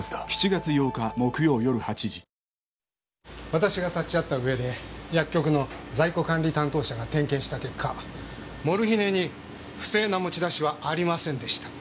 私が立ち会ったうえで薬局の在庫管理担当者が点検した結果モルヒネに不正な持ち出しはありませんでした。